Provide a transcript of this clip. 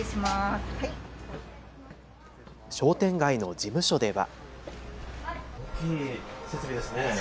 商店街の事務所では。